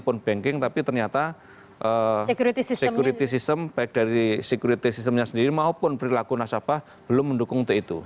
walaupun banking tapi ternyata security system baik dari security systemnya sendiri maupun perilaku nasabah belum mendukung untuk itu